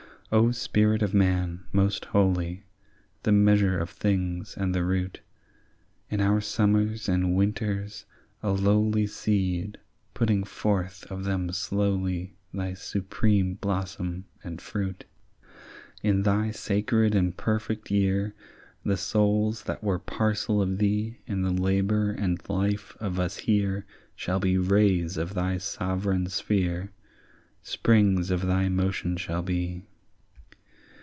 "O spirit of man, most holy, The measure of things and the root, In our summers and winters a lowly Seed, putting forth of them slowly Thy supreme blossom and fruit; "In thy sacred and perfect year, The souls that were parcel of thee In the labour and life of us here Shall be rays of thy sovereign sphere, Springs of thy motion shall be.